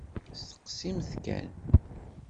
Steqsimt kan!